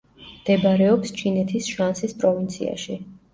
მდებარეობს ჩინეთის შანსის პროვინციაში.